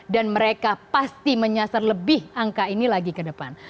dan mereka pasti menyasar lebih angka ini lagi ke depan